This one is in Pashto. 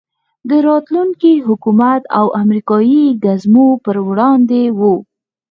د راتلونکو حکومتي او امریکایي ګزمو په وړاندې وو.